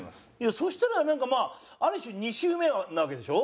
そしたらなんかまあある種２周目なわけでしょ？